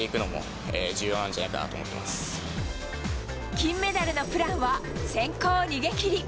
金メダルのプランは先行逃げ切り。